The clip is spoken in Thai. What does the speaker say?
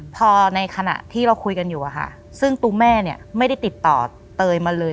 พอในขณะที่เราคุยกันอยู่อะค่ะซึ่งตัวแม่เนี่ยไม่ได้ติดต่อเตยมาเลย